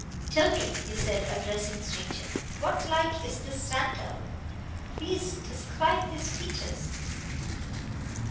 "Tell me," he said, addressing the stranger "What like is this Rantall? Please to tescripe his features."